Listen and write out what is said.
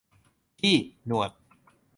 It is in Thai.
พี่หนวด